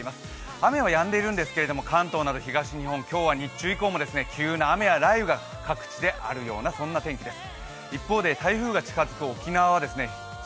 雨はやんでいるんですけれども、関東など東日本、今日は日中以降も急な雨や雷雨がありそうな天気です。